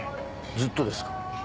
ずっとですか？